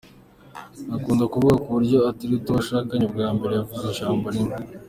Ntakunda kuvuga, ku buryo atereta uwo bashakanye bwa mbere yavuze ijambo rimwe.